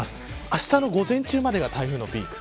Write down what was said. あしたの午前中までが台風のピーク。